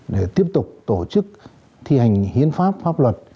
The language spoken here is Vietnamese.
để tiếp tục tổ chức thi hành hiến pháp pháp luật